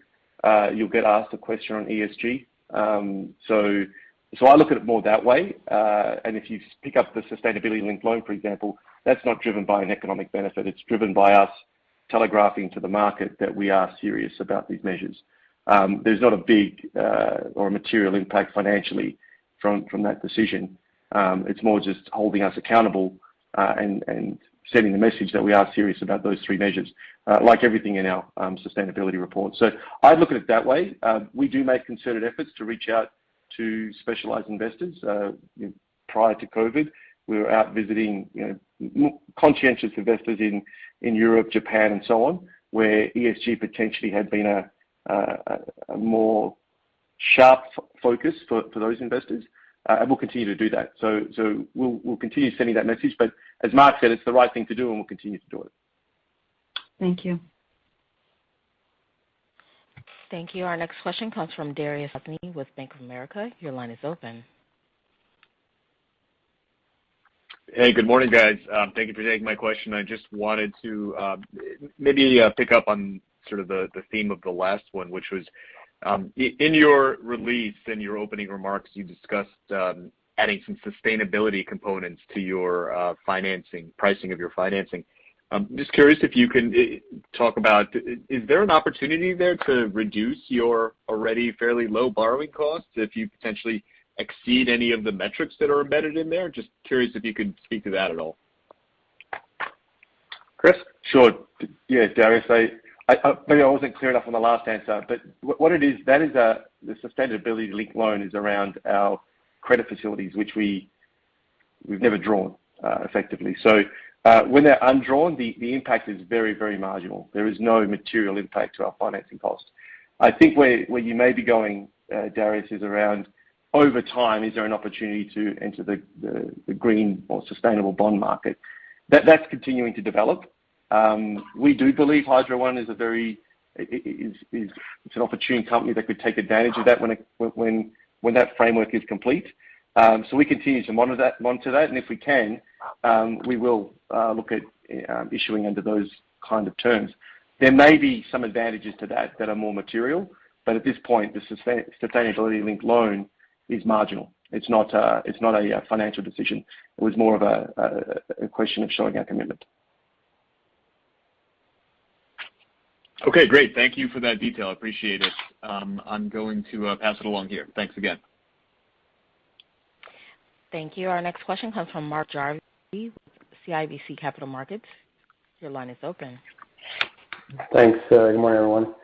you'll get asked a question on ESG. So I look at it more that way. And if you pick up the sustainability linked loan, for example, that's not driven by an economic benefit. It's driven by us telegraphing to the market that we are serious about these measures. There's not a big or a material impact financially from that decision. It's more just holding us accountable and sending the message that we are serious about those three measures, like everything in our sustainability report. So I look at it that way. We do make concerted efforts to reach out to specialized investors. Prior to COVID, we were out visiting, you know, conscientious investors in Europe, Japan, and so on, where ESG potentially had been a more sharp focus for those investors. We'll continue to do that. We'll continue sending that message. As Mark said, it's the right thing to do, and we'll continue to do it. Thank you. Thank you. Our next question comes from Dariusz Lozny with Bank of America. Your line is open. Hey, good morning, guys. Thank you for taking my question. I just wanted to maybe pick up on sort of the theme of the last one, which was in your release, in your opening remarks, you discussed adding some sustainability components to your financing, pricing of your financing. I'm just curious if you can talk about is there an opportunity there to reduce your already fairly low borrowing costs if you potentially exceed any of the metrics that are embedded in there. Just curious if you could speak to that at all. Chris? Sure. Yeah, Dariusz. I maybe wasn't clear enough on the last answer, but what it is, that is, the sustainability linked loan is around our credit facilities, which we've never drawn, effectively. When they're undrawn, the impact is very marginal. There is no material impact to our financing cost. I think where you may be going, Dariusz, is around over time, is there an opportunity to enter the green or sustainable bond market? That's continuing to develop. We do believe Hydro One is a very opportune company that could take advantage of that when that framework is complete. We continue to monitor that, and if we can, we will look at issuing under those kind of terms. There may be some advantages to that are more material, but at this point, the sustainability-linked loan. It's marginal. It's not, it's not a financial decision. It was more of a question of showing our commitment. Okay, great. Thank you for that detail. I appreciate it. I'm going to pass it along here. Thanks again. Thank you. Our next question comes from Mark Jarvi, CIBC Capital Markets. Your line is open. Thanks, good morning, everyone.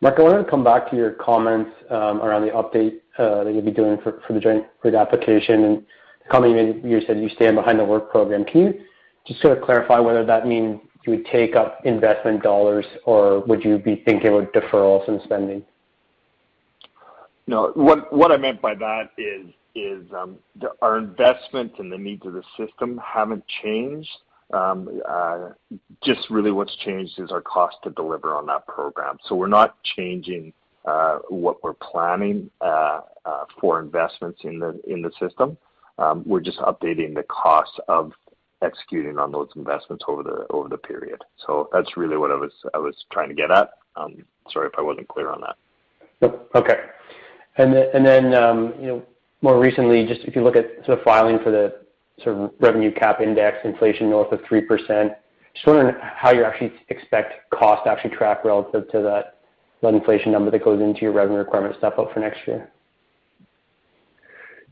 Mark, I wanted to come back to your comments around the update that you'll be doing for the Joint Rate Application and the comment you made, you said you stand behind the work program. Can you just sort of clarify whether that means you would take up investment dollars or would you be thinking with deferrals and spending? No. What I meant by that is our investment and the needs of the system haven't changed. Just really what's changed is our cost to deliver on that program. We're not changing what we're planning for investments in the system. We're just updating the costs of executing on those investments over the period. That's really what I was trying to get at. Sorry if I wasn't clear on that. Okay. You know, more recently, just if you look at sort of filing for the sort of revenue cap index inflation north of 3%, just wondering how you actually expect cost to actually track relative to that inflation number that goes into your revenue requirement step-up for next year.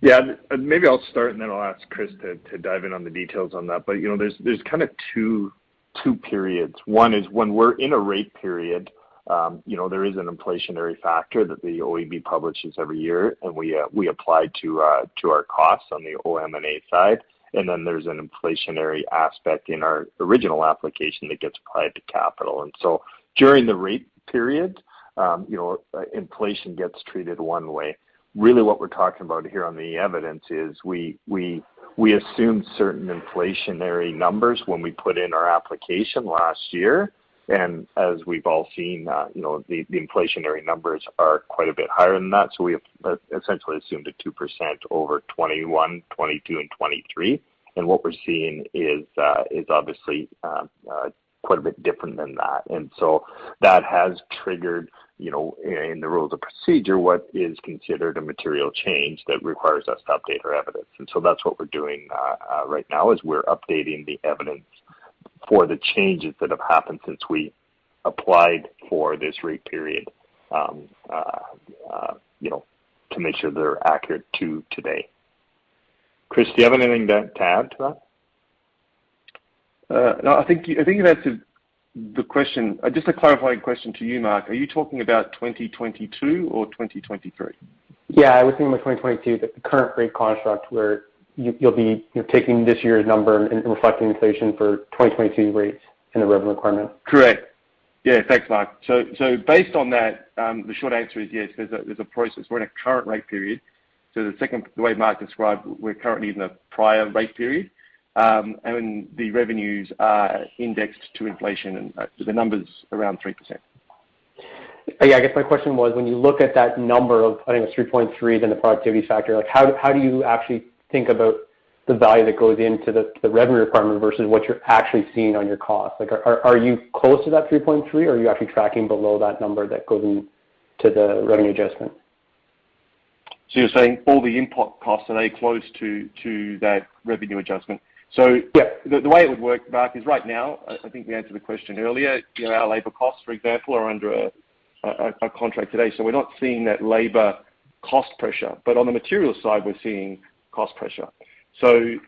Yeah. Maybe I'll start and then I'll ask Chris to dive in on the details on that. You know, there's kind of two periods. One is when we're in a rate period. You know, there is an inflationary factor that the OEB publishes every year, and we apply to our costs on the OM&A side. Then there's an inflationary aspect in our original application that gets applied to capital. During the rate period, you know, inflation gets treated one way. Really what we're talking about here on the evidence is we assume certain inflationary numbers when we put in our application last year. As we've all seen, you know, the inflationary numbers are quite a bit higher than that. We have essentially assumed a 2% over 2021, 2022 and 2023. What we're seeing is obviously quite a bit different than that. That has triggered, you know, in the rules of procedure, what is considered a material change that requires us to update our evidence. That's what we're doing right now is we're updating the evidence for the changes that have happened since we applied for this rate period, you know, to make sure they're accurate to today. Chris, do you have anything to add to that? No. I think you've answered the question. Just a clarifying question to you, Mark. Are you talking about 2022 or 2023? Yeah, I was thinking about 2022, the current rate construct where you're taking this year's number and reflecting inflation for 2022 rates and the revenue requirement. Correct. Yeah. Thanks, Mark. Based on that, the short answer is yes, there's a process. We're in a current rate period. The way Mark described, we're currently in the prior rate period, and the revenues are indexed to inflation and the number's around 3%. Yeah. I guess my question was when you look at that number of, I think it's 3.3, then the productivity factor, like how do you actually think about the value that goes into the revenue requirement versus what you're actually seeing on your cost? Like, are you close to that 3.3 or are you actually tracking below that number that goes into the revenue adjustment? You're saying all the input costs, are they close to that revenue adjustment? Yeah, the way it would work, Mark, is right now, I think we answered the question earlier. You know, our labor costs, for example, are under a contract today. We're not seeing that labor cost pressure, but on the material side we're seeing cost pressure.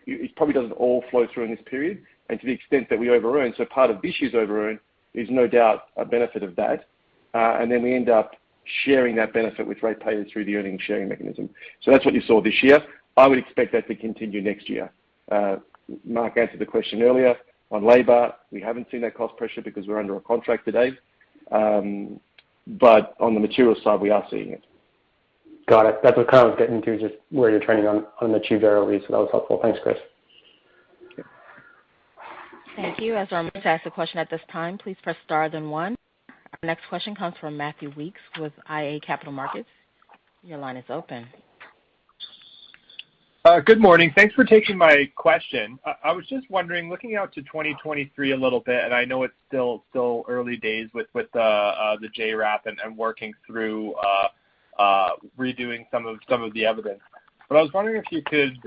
It probably doesn't all flow through in this period. To the extent that we over earn, part of this year's over earn is no doubt a benefit of that. Then we end up sharing that benefit with rate payers through the earnings sharing mechanism. That's what you saw this year. I would expect that to continue next year. Mark answered the question earlier. On labor, we haven't seen that cost pressure because we're under a contract today. On the material side, we are seeing it. Got it. That's what I was getting to, just where you're trending on the two variables, so that was helpful. Thanks, Chris. Thank you. As our next question at this time, please press Star then one. Our next question comes from Matthew Weekes with iA Capital Markets. Your line is open. Good morning. Thanks for taking my question. I was just wondering, looking out to 2023 a little bit, and I know it's still early days with the JRAP and working through redoing some of the evidence. But I was wondering if you could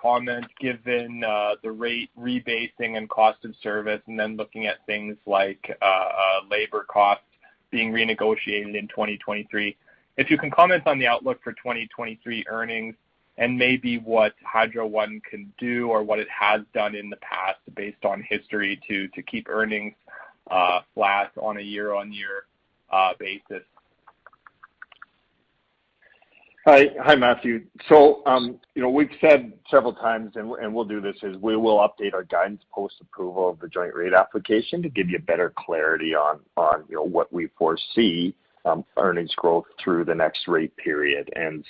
comment given the rate rebasing and cost of service and then looking at things like labor costs being renegotiated in 2023. If you can comment on the outlook for 2023 earnings and maybe what Hydro One can do or what it has done in the past based on history to keep earnings flat on a year-on-year basis? Hi. Hi, Matthew. You know, we've said several times and we'll do this, is we will update our guidance post-approval of the joint rate application to give you better clarity on, you know, what we foresee, earnings growth through the next rate period. You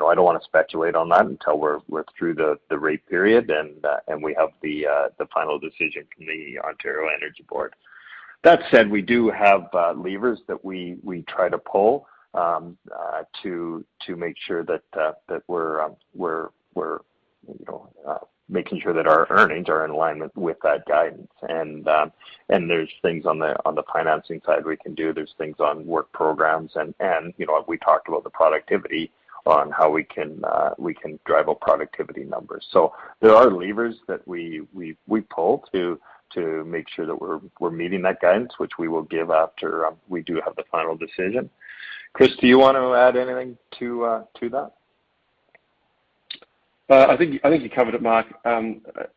know, I don't want to speculate on that until we're through the rate period and we have the final decision from the Ontario Energy Board. That said, we do have levers that we try to pull to make sure that we're making sure that our earnings are in alignment with that guidance. There's things on the financing side we can do, there's things on work programs and, you know, we talked about the productivity on how we can drive our productivity numbers. There are levers that we pull to make sure that we're meeting that guidance, which we will give after we do have the final decision. Chris, do you want to add anything to that? I think you covered it, Mark.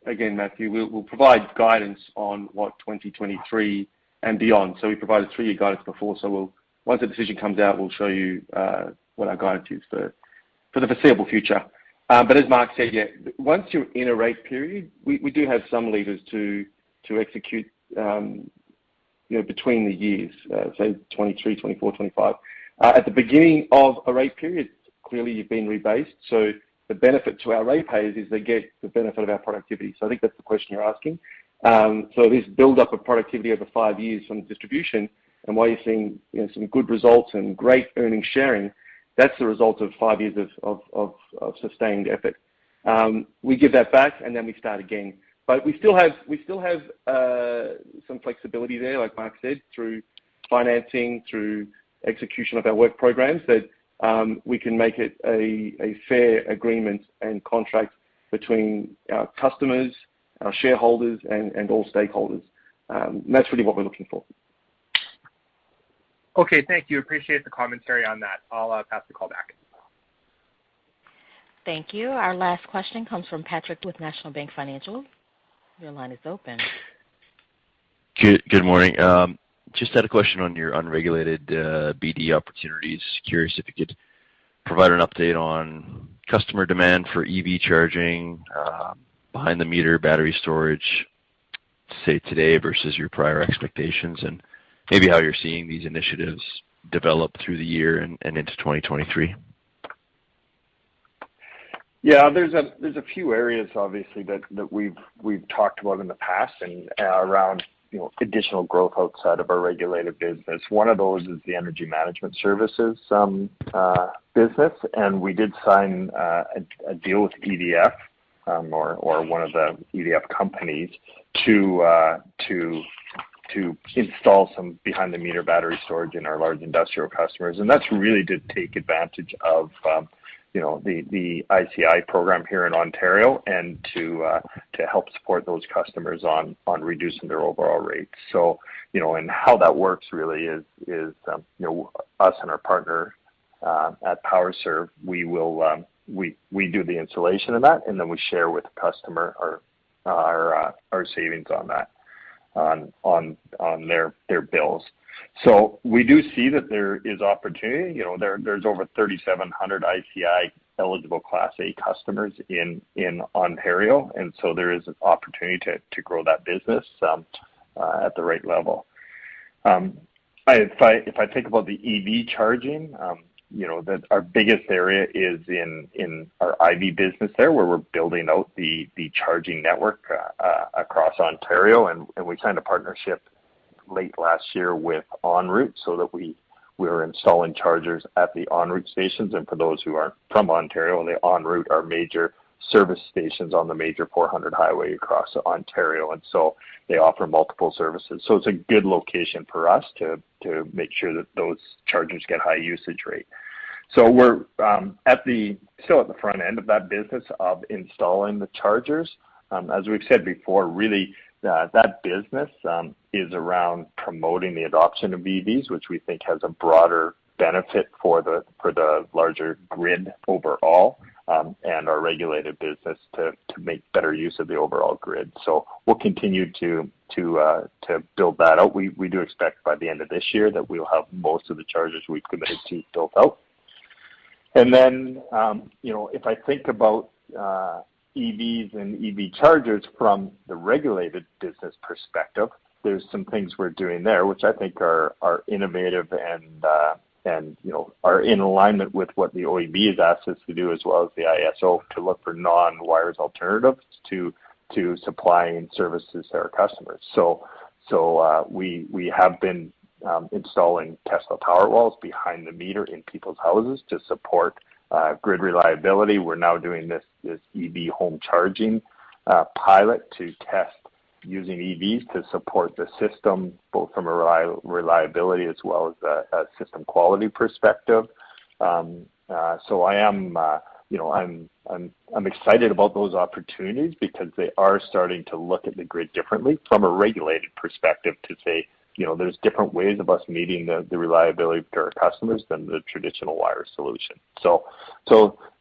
Again, Matthew, we'll provide guidance on what 2023 and beyond. We provided three-year guidance before. Once the decision comes out, we'll show you what our guidance is for the foreseeable future. But as Mark said, yeah, once you're in a rate period, we do have some levers to execute, you know, between the years, say 2023, 2024, 2025. At the beginning of a rate period, clearly you've been rebased. The benefit to our rate payers is they get the benefit of our productivity. I think that's the question you're asking. This buildup of productivity over five years from distribution and why you're seeing, you know, some good results and great earnings sharing, that's the result of five years of sustained effort. We give that back and then we start again. We still have some flexibility there, like Mark said, through financing, through execution of our work programs that we can make it a fair agreement and contract between our customers, our shareholders and all stakeholders. That's really what we're looking for. Okay. Thank you. Appreciate the commentary on that. I'll pass the call back. Thank you. Our last question comes from Patrick with National Bank Financial. Your line is open. Good morning. Just had a question on your unregulated BD opportunities. Curious if you could provide an update on customer demand for EV charging, behind the meter battery storage, say today versus your prior expectations, and maybe how you're seeing these initiatives develop through the year and into 2023. Yeah. There's a few areas obviously that we've talked about in the past and around you know additional growth outside of our regulated business. One of those is the energy management services business. We did sign a deal with EDF or one of the EDF companies to install some behind the meter battery storage in our large industrial customers. That's really to take advantage of you know the ICI program here in Ontario and to help support those customers on reducing their overall rates. You know, how that works really is, you know, us and our partner at Powerserv, we do the installation of that, and then we share with the customer our savings on that on their bills. We do see that there is opportunity. You know, there's over 3,700 ICI-eligible Class A customers in Ontario, and there is an opportunity to grow that business at the right level. If I think about the EV charging, you know, our biggest area is in our Ivy business there, where we're building out the charging network across Ontario. We signed a partnership late last year with ONroute so that we're installing chargers at the ONroute stations. For those who aren't from Ontario, the ONroute are major service stations on the major Highway 400 across Ontario, and they offer multiple services. It's a good location for us to make sure that those chargers get high usage rate. We're still at the front end of that business of installing the chargers. As we've said before, really, that business is around promoting the adoption of EVs, which we think has a broader benefit for the larger grid overall, and our regulated business to build that out. We do expect by the end of this year that we'll have most of the chargers we've committed to built out. You know, if I think about EVs and EV chargers from the regulated business perspective, there's some things we're doing there, which I think are innovative and, you know, are in alignment with what the OEB has asked us to do as well as the IESO to look for non-wires alternatives to supply and service to our customers. We have been installing Tesla Powerwalls behind the meter in people's houses to support grid reliability. We're now doing this EV home charging pilot to test using EVs to support the system, both from a reliability as well as a system quality perspective. I'm excited about those opportunities because they are starting to look at the grid differently from a regulated perspective to say, you know, there's different ways of us meeting the reliability to our customers than the traditional wire solution.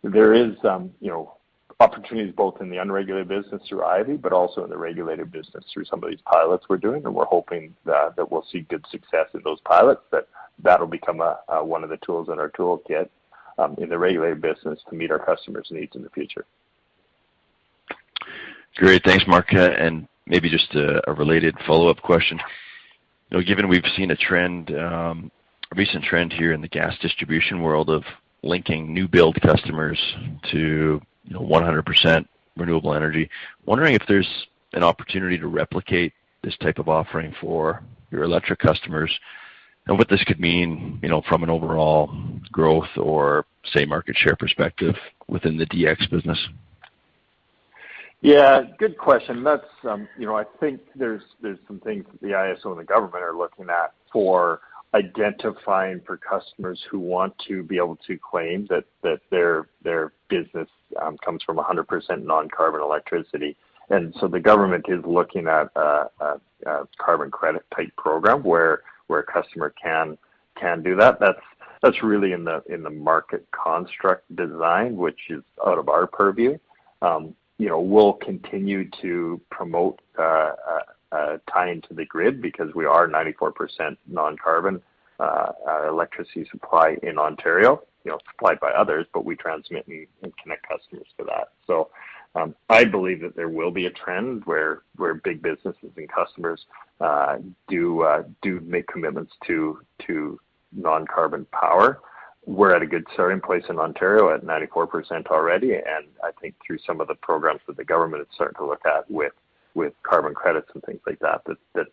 There is, you know, opportunities both in the unregulated business through Ivy, but also in the regulated business through some of these pilots we're doing. We're hoping that we'll see good success in those pilots, that that'll become one of the tools in our toolkit in the regulated business to meet our customers' needs in the future. Great. Thanks, Mark. And maybe just a related follow-up question. You know, given we've seen a trend, a recent trend here in the gas distribution world of linking new build customers to, you know, 100% renewable energy, wondering if there's an opportunity to replicate this type of offering for your electric customers. And what this could mean, you know, from an overall growth or, say, market share perspective within the distribution business. Yeah, good question. That's... You know, I think there's some things that the IESO and the government are looking at for identifying for customers who want to be able to claim that their business comes from 100% non-carbon electricity. The government is looking at a carbon credit type program where a customer can do that. That's really in the market construct design, which is out of our purview. You know, we'll continue to promote tying to the grid because we are 94% non-carbon electricity supply in Ontario, you know, supplied by others, but we transmit and connect customers to that. I believe that there will be a trend where big businesses and customers do make commitments to non-carbon power. We're at a good starting place in Ontario at 94% already. I think through some of the programs that the government is starting to look at with carbon credits and things like that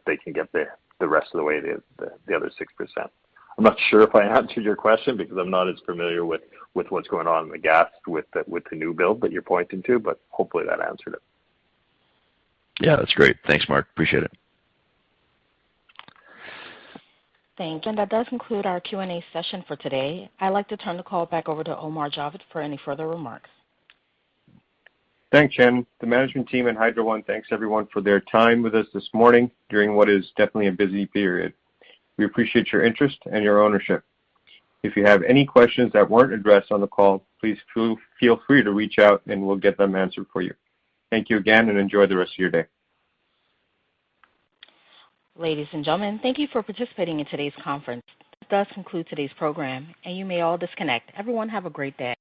they can get the rest of the way, the other 6%. I'm not sure if I answered your question because I'm not as familiar with what's going on in the gas with the new build that you're pointing to, but hopefully that answered it. Yeah. That's great. Thanks, Mark. Appreciate it. Thanks. That does conclude our Q&A session for today. I'd like to turn the call back over to Omar Javed for any further remarks. Thanks, Jen. The management team and Hydro One thanks everyone for their time with us this morning during what is definitely a busy period. We appreciate your interest and your ownership. If you have any questions that weren't addressed on the call, please feel free to reach out, and we'll get them answered for you. Thank you again, and enjoy the rest of your day. Ladies and gentlemen, thank you for participating in today's conference. That does conclude today's program, and you may all disconnect. Everyone, have a great day.